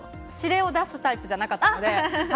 指令を出すタイプじゃなかったので。